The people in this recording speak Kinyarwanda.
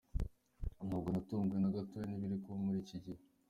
Ntabwo natunguwe na gatoya n’ibiri kuba muri iki gihe.